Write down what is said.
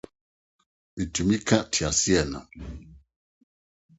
Mitumi ka kar.